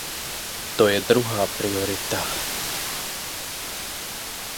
To je druhá priorita.